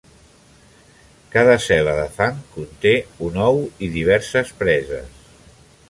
Cada cel·la de fang conté un ou i diverses preses.